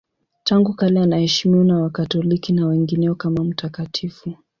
Tangu kale anaheshimiwa na Wakatoliki na wengineo kama mtakatifu.